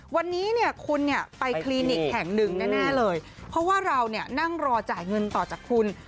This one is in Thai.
วันนี้คุณไปคลีนิกแห่งหนึ่งแน่เลยเพราะว่าเรานั่งรอจ่ายเงินต่อจากคุณ